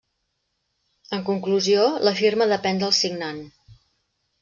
En conclusió, la firma depèn del signant.